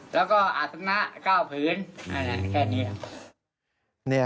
แล้วก็อาธรรมนะ๙ผืนแค่นี้